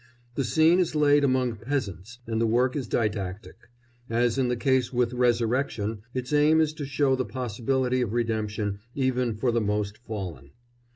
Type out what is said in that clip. The scene is laid among peasants, and the work is didactic; as is the case with Resurrection, its aim is to show the possibility of redemption even for the most fallen.